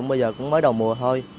bây giờ cũng mới đầu mùa thôi